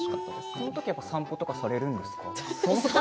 その時は散歩とかされるんですか？